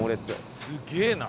すげえな！